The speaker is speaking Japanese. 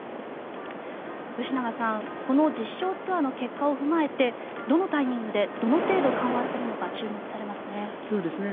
吉永さん、この実証ツアーの結果を踏まえてどのタイミングでどの程度緩和するのか注目されますね。